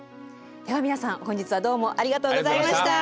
では皆さん本日はどうもありがとうございました。